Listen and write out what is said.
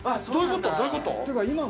どういうこと？